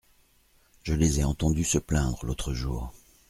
Je les ai entendus se plaindre l’autre jour.